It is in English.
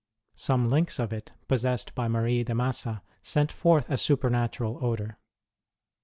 Some links of it, possessed by Marie de Massa, sent forth a supernatural odour.